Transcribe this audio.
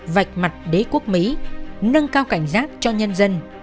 vạch mặt đế quốc mỹ nâng cao cảnh giác cho nhân dân